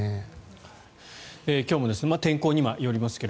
今日も天候にはよりますが